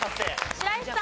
白石さん。